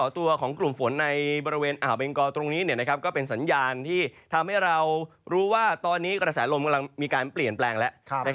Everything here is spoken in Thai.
ทำให้เรารู้ว่าตอนนี้กระแสลมกำลังมีการเปลี่ยนแปลงแล้ว